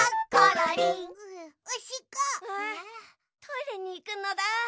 トイレにいくのだ。